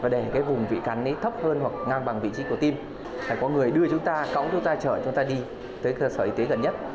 để cái vùng vị cắn thấp hơn hoặc ngang bằng vị trí của tim phải có người đưa chúng ta cóng chúng ta chở chúng ta đi tới cơ sở y tế gần nhất